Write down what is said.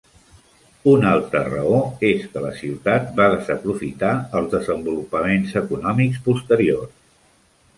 Una altra raó és que la ciutat va desaprofitar els desenvolupaments econòmics posteriors.